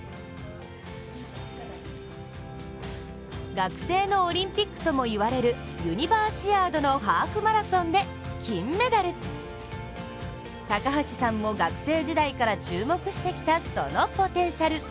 学生のオリンピックともいわれるユニバーシアードのハーフマラソンで金メダル高橋さんも学生時代から注目してきたそのポテンシャル。